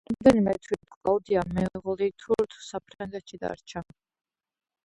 რამდენიმე თვით კლაუდია მეუღლითურთ საფრანგეთში დარჩა.